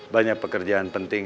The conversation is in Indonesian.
banyak pekerjaan penting